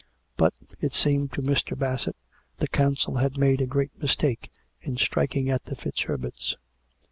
But, it seemed to Mr. Bassett, the Council had made a great mistake in striking at the FitzHerberts.